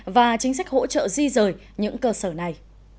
và chính sách hỗ trợ di rời những cơ sở này